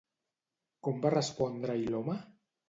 Com va respondre-hi l'home?